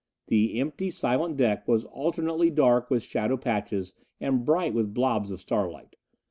The empty, silent deck was alternately dark with shadow patches and bright with blobs of starlight.